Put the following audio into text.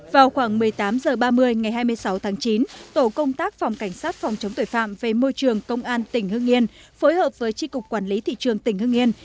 vào khoảng một mươi tám h ba mươi ngày hai mươi sáu tháng chín tổ công tác phòng cảnh sát phòng chống tội phạm về môi trường công an tỉnh hưng yên phối hợp với tri cục quản lý thị trường tỉnh hưng yên